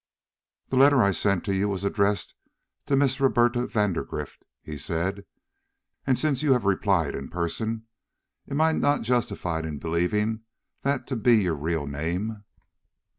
"The letter I sent to you was addressed to Miss Roberta Vandergrift," he said, "and, since you have replied in person, am I not justified in believing that to be your real name?"